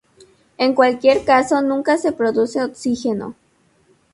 En cualquier caso nunca se produce oxígeno.